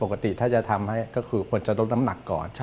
ปกติถ้าจะทำให้ก็คือควรจะลดน้ำหนักก่อน